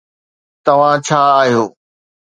توهان ڇا آهيو؟